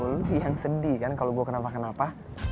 lo yang sedih kan kalo gue kenapa kenapa